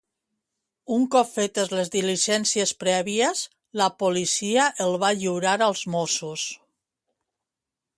Un cop fetes les diligències prèvies, la policia el va lliurar als Mossos.